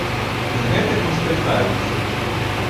З гэтым не спяшаюцца.